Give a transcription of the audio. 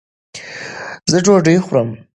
زۀ ډوډۍ خورم